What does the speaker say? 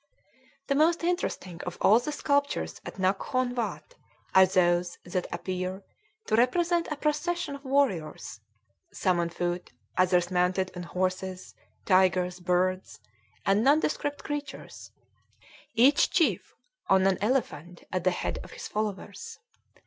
The most interesting of all the sculptures at Naghkon Watt are those that appear to represent a procession of warriors, some on foot, others mounted on horses, tigers, birds, and nondescript creatures, each chief on an elephant at the head of his followers.